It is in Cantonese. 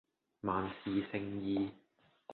萬事勝意